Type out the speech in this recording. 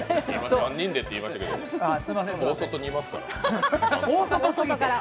３人でって言いましたけど、大外にいますから。